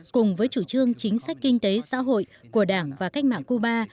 cùng với chủ trương chính sách kinh tế xã hội của đảng và cách mạng cuba